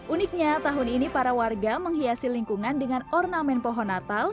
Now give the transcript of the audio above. uniknya tahun ini para warga menghiasi lingkungan dengan ornamen pohon natal